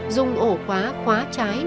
dùng ổ khóa khóa trái